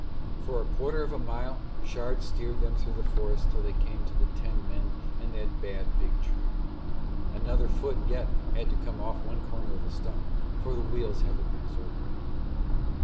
For a quarter of a mile Shard steered them through the forest till they came to the ten men and that bad big tree, another foot had yet to come off one corner of the stump for the wheels had to pass over it.